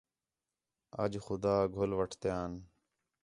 اَڄ خُدا گھل وٹھتیاں